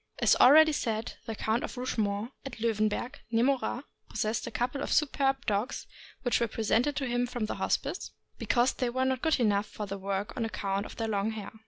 As already said, the Count of Rougemont, at Loewenberg, near Morat, possessed a couple of superb dogs, which were presented to him from the Hospice, because they were not good enough for the work on account of their long hair.